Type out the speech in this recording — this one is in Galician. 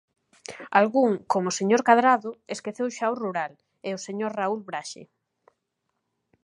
Algún, como o señor Cadrado, esqueceu xa o rural, e o señor Raúl Braxe.